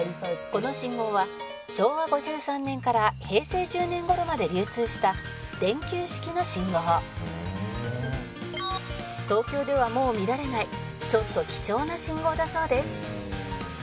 「この信号は昭和５３年から平成１０年頃まで流通した電球式の信号」「東京ではもう見られないちょっと貴重な信号だそうです」